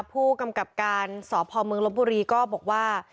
ผู้กำกับการสพมลบบุรีก็บอกว่า